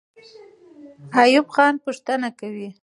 ایوب خان پوښتنه کوي.